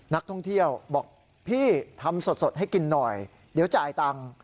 นักท่องเที่ยวบอกพี่ทำสดให้กินหน่อยเดี๋ยวจ่ายตังค์